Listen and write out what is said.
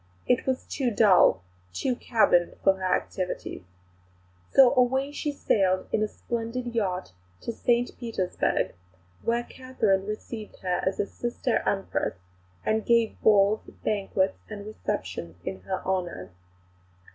It was too dull, too cabined for her activities. So away she sailed in a splendid yacht to St Petersburg where Catherine received her as a sister Empress, and gave balls, banquets, and receptions in her honour.